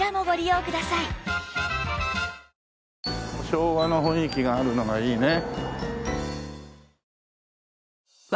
昭和の雰囲気があるのがいいね。